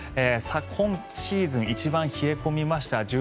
今シーズン一番冷え込みました。